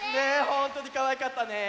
ほんとにかわいかったね！